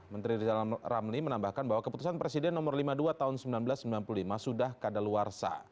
menteri rizal ramli menambahkan bahwa keputusan presiden nomor lima puluh dua tahun seribu sembilan ratus sembilan puluh lima sudah kadaluarsa